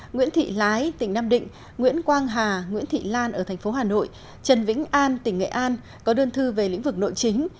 nguyễn thị lái tỉnh nam định nguyễn quang hà nguyễn thị lan ở thành phố hà nội trần vĩnh an tỉnh nghệ an có đơn thư về lĩnh vực nội chính